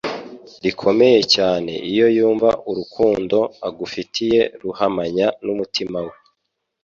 rikomeye cyane iyo yumva urukundo agufitiye ruhamanya n'umutima we